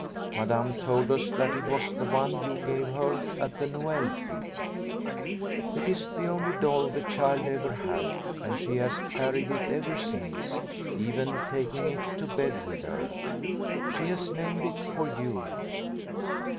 Madame told us that it was the one you gave her at the Noel fête. It is the only doll the child ever had, and she has carried it ever since, even taking it to bed with her. She has named it for you.